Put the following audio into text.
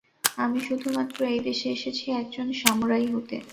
আমি শুধুমাত্র এই দেশে এসেছি একজন সামুরাই হতে।